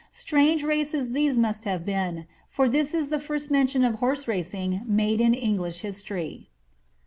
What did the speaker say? Strange races these must have been, but this is the first mention of horse racing made in English history.'